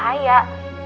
kalo dia berbahaya